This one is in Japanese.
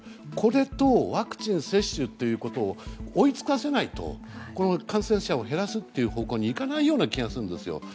これにワクチン接種を追いつかせないと感染者を減らす方向にいかないような気がするんです。